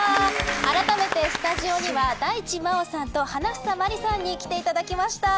あらためてスタジオには大地真央さんと花總まりさんに来ていただきました。